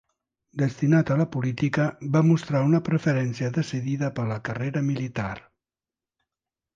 Destinat a la política, va mostrar una preferència decidida per la carrera militar.